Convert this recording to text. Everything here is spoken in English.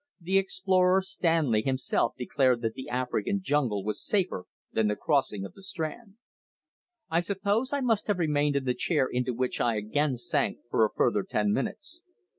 The explorer Stanley himself declared that the African jungle was safer than the crossing of the Strand. I suppose I must have remained in the chair into which I again sank for a further ten minutes.